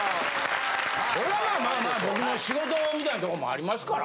それはまあ僕の仕事みたいなとこもありますから。